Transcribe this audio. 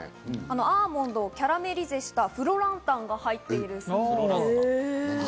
アーモンドをキャラメリゼしたフロランタンが入ってます。